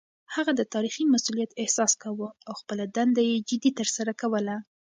هغه د تاريخي مسووليت احساس کاوه او خپله دنده يې جدي ترسره کوله.